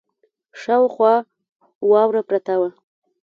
شاوخوا واوره پرته وه.